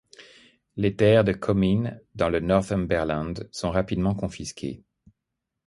Les terres de Comyn dans le Northumberland sont rapidement confisquées.